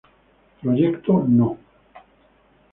Proyecto No.